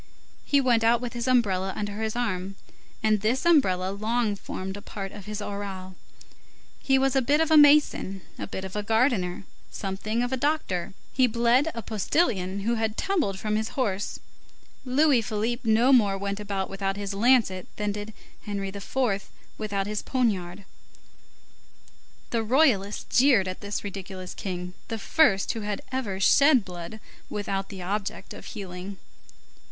He went out with his umbrella under his arm, and this umbrella long formed a part of his aureole. He was a bit of a mason, a bit of a gardener, something of a doctor; he bled a postilion who had tumbled from his horse; Louis Philippe no more went about without his lancet, than did Henri IV. without his poniard. The Royalists jeered at this ridiculous king, the first who had ever shed blood with the object of healing.